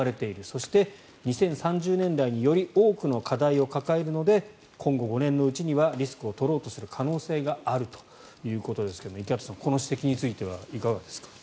そして、２０３０年代により多くの課題を抱えるので今後５年のうちにはリスクを取ろうとする可能性があるということですが池畑さん、この指摘についてはいかがですか？